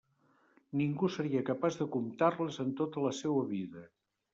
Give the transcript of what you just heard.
Ningú seria capaç de comptar-les en tota la seua vida.